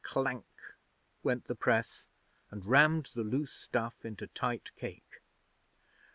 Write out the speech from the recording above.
'Clank!' went the press, and rammed the loose stuff into tight cake.